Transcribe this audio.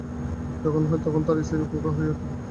যখন হয় তখন তারা স্ত্রীর খোকা হয়ে ওঠে।